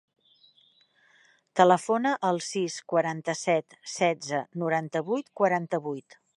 Telefona al sis, quaranta-set, setze, noranta-vuit, quaranta-vuit.